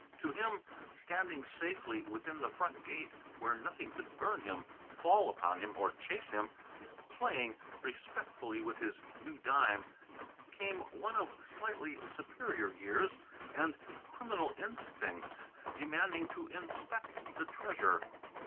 To him, standing safely within the front gate where nothing could burn him, fall upon him, or chase him, "playing" respectfully with his new dime, came one of slightly superior years and criminal instincts demanding to inspect the treasure.